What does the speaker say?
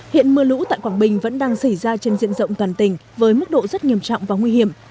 hiện mưa lũ tại quảng bình vẫn đang xảy ra trên diện rộng toàn tỉnh với mức độ rất nghiêm trọng và nguy hiểm